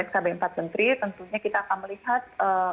skb empat menteri tentunya kita akan melihat